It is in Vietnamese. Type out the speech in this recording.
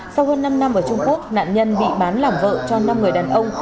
sau hơn năm năm ở trung quốc nạn nhân bị bán làm vợ cho năm người đàn ông